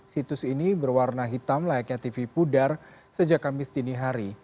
situs ini berwarna hitam layaknya tv pudar sejak kamis dini hari